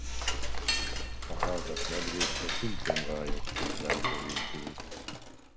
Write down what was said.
A házak nagy része szintén vályogtéglából épült.